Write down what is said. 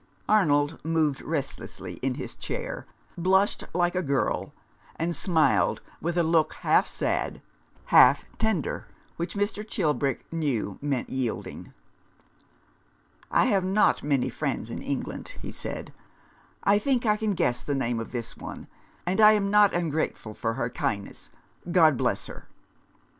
Arnold moved restlessly in his chair, blushed like a girl, and smiled, with a look half sad, half tender, which Mr. Chilbrick knew meant yielding. " I have not many friends in England," he said. " I think I can guess the name of this one ; and I am not ungrateful for her kindness, God bless her !